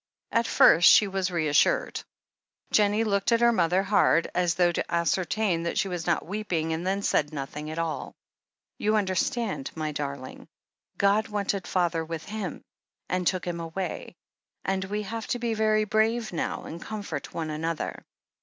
At first she was reassured. Jennie looked at her mother hard, as though to ascer tain that she was not weeping, and then said nothing at all. "You understand, my darling? God wanted father with Him, and took him away, and we have to be very brave now, and comfort one another."